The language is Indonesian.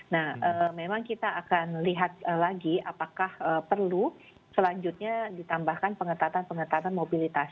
nah memang kita akan lihat lagi apakah perlu selanjutnya ditambahkan pengetatan pengetatan mobilitas